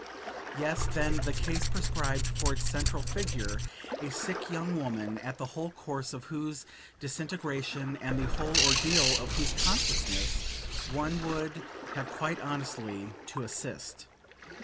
Yes then, the case prescribed for its central figure a sick young woman, at the whole course of whose disintegration and the whole ordeal of whose consciousness one would have quite honestly to assist.